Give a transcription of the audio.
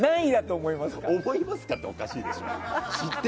思いますかっておかしいでしょ。